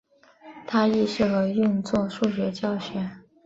它亦适合用作数学教学。